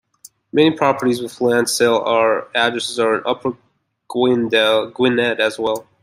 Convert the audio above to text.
Many properties with Lansdale addresses are in Upper Gwynedd as well.